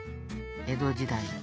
江戸時代。